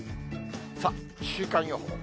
さあ、週間予報。